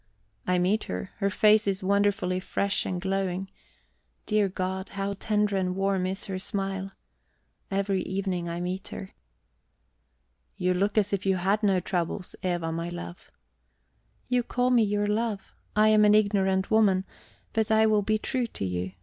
I meet her; her face is wonderfully fresh and glowing. Dear God, how tender and warm is her smile! Every evening I meet her. "You look as if you had no troubles, Eva, my love." "You call me your love! I am an ignorant woman, but I will be true to you.